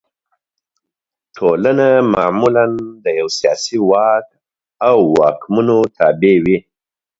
ټولنه معمولا د یوه سیاسي واک او واکمنو تابع وي.